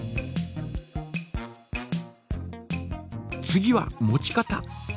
次は持ち方。